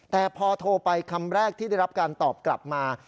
แต่พอโทรไปคำแรกที่ได้รับการตอบกลับมา